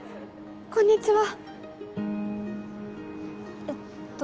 こんにちは